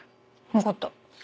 わかった。